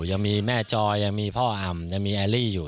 ยังมีแม่จอยยังมีพ่ออ่ำยังมีแอลลี่อยู่